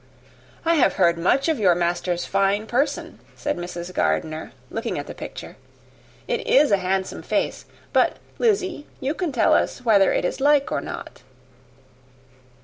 "I have heard much of your master's fine person," said Mrs. Gardiner, looking at the picture; "it is a handsome face. But, Lizzy, you can tell us whether it is like or not."